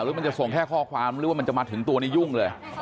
มันจะส่งแค่ข้อความหรือว่ามันจะมาถึงตัวนี้ยุ่งเลย